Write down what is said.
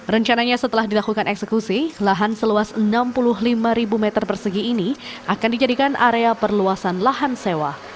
rencananya setelah dilakukan eksekusi lahan seluas enam puluh lima meter persegi ini akan dijadikan area perluasan lahan sewa